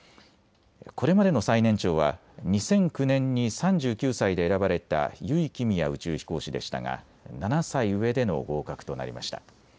これまでの最年長は２００９年に３９歳で選ばれた油井亀美也宇宙飛行士でしたが７歳上での合格となりました。